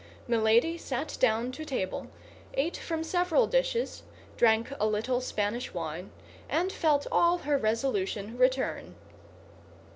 Milady sat down to table, ate from several dishes, drank a little Spanish wine, and felt all her resolution return.